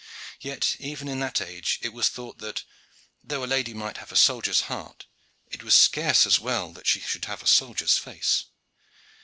Yet even in that age it was thought that, though a lady might have a soldier's heart, it was scarce as well that she should have a soldier's face.